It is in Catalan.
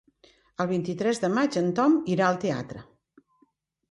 El vint-i-tres de maig en Tom irà al teatre.